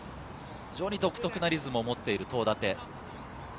非常に独特なリズムをもっている東舘。